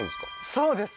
そうです